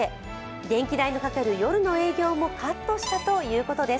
電気代のかかる夜の営業もカットしたということです。